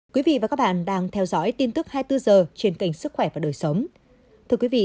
các bạn đang theo dõi tin tức hai mươi bốn h trên kênh sức khỏe và đời sống